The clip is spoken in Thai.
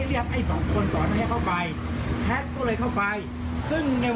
ที่พูดเนี่ยมันจริงหรือเปล่า